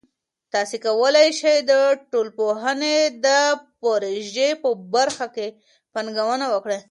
تاسې کولای سئ د ټولنپوهنې د پروژه په برخه کې پانګونه وکړئ.